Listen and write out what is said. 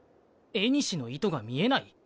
縁の糸が見えない？